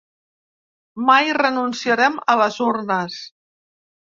Mai renunciarem a les urnes.